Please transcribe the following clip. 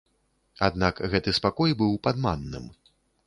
Аднак гэты спакой быў падманным.